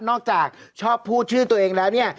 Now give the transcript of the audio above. อกจากชอบพูดชื่อตัวเองแล้วเนี่ย